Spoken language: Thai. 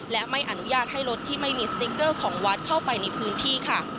และไม่อนุญาตให้รถที่ไม่มีสติ๊กเกอร์ของวัดเข้าไปในพื้นที่ค่ะ